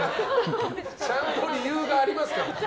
ちゃんと理由がありますから。